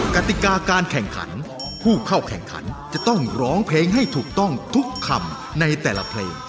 กติกาการแข่งขันผู้เข้าแข่งขันจะต้องร้องเพลงให้ถูกต้องทุกคำในแต่ละเพลง